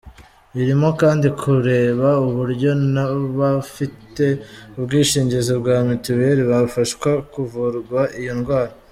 Irimo kandi kureba uburyo n’abafite ubwishingizi bwa mituweli bafashwa kuvurwa iyo ndwara.